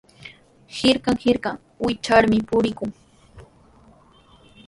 Hirkan hirkan wichyarmi purikuu.